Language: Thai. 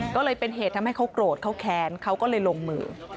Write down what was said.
ก็เลยเป็นเหตุทำให้เขาโกรธเขาแค้นเขาก็เลยลงมือ